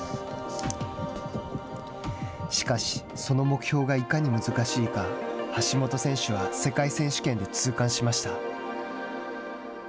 しかし、その目標がいかに難しいか橋本選手は世界選手権で痛感しました。